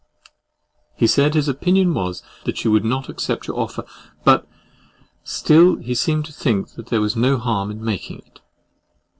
He said his opinion was that she would not accept your offer, but still he seemed to think that there would be no harm in making it!